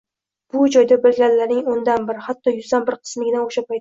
Bu joyda bilganlarining o‘ndan bir, hatto yuzdan bir qismigina o‘sha paytda